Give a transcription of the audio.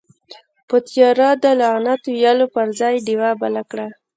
په تيارو ده لعنت ويلو پر ځئ، ډيوه بله کړه.